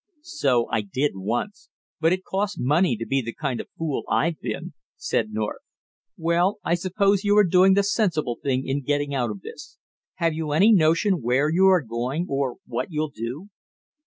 "So I did once, but it costs money to be the kind of fool I've been! said North. "Well, I suppose you are doing the sensible thing in getting out of this. Have you any notion where you are going or what you'll do?"